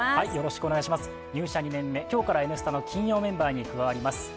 入社２年目、今日から「Ｎスタ」の金曜メンバーに加わります。